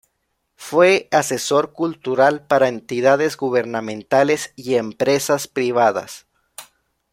Fue asesor cultural para entidades gubernamentales y empresas privadas.